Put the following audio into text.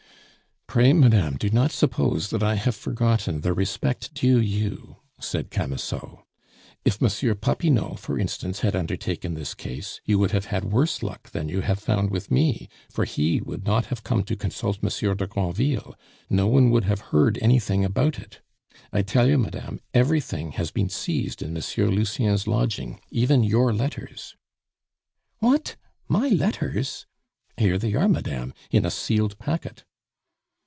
"Pray, madame, do not suppose that I have forgotten the respect due you," said Camusot. "If Monsieur Popinot, for instance, had undertaken this case, you would have had worse luck than you have found with me; for he would not have come to consult Monsieur de Granville; no one would have heard anything about it. I tell you, madame, everything has been seized in Monsieur Lucien's lodging, even your letters " "What! my letters!" "Here they are, madame, in a sealed packet."